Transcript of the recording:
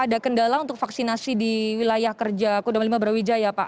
ada kendala untuk vaksinasi di wilayah kerja kodam lima brawijaya pak